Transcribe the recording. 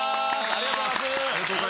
ありがとうございます。